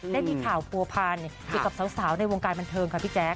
ได้มีข่าวผัวพันเกี่ยวกับสาวในวงการบันเทิงค่ะพี่แจ๊ค